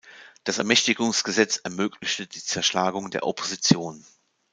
Das Ermächtigungsgesetz ermöglichte die Zerschlagung der Opposition.